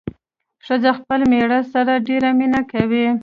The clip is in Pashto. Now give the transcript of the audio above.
ښځه خپل مېړه سره ډېره مينه کوي